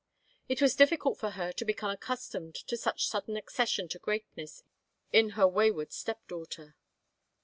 It was difficult for her to become accustomed to such sudden accession to greatness in her wayward step daughter.